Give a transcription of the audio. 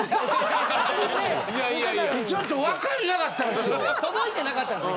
ちょっと分かんなかったんですよ。